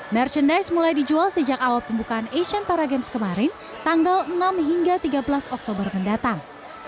merchandise mulai dijual sejak awal pembukaan asian para games kemarin tanggal enam hingga tiga belas oktober mendatang